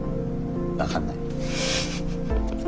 分かんない。